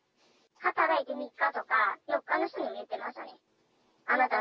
働いて３日とか４日の人に言ってましたね。